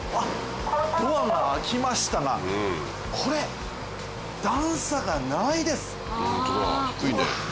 ドアが開きましたがこれ段差がないです。